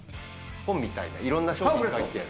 本みたいな、いろんな商品が書いてある。